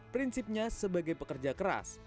prinsipnya sebagai pekerja keras